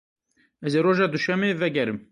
Ez ê roja duşemê vegerim.